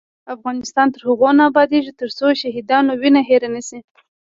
افغانستان تر هغو نه ابادیږي، ترڅو د شهیدانو وینه هیره نشي.